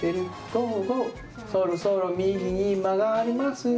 「そろそろみぎにまがります」